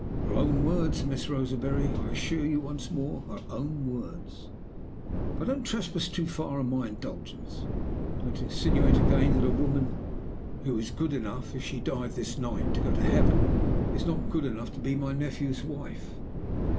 (Her own words, Miss Roseberry. I assure you once more, her own words.) 'But don't trespass too far on my indulgence don't insinuate again that a woman who is good enough (if she died this night) to go to heaven, is not good enough to be my nephew's wife.